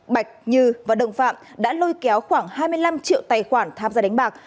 bạch như và đồng phạm đã lôi kéo khoảng hai mươi năm triệu tài khoản tham gia đánh bạc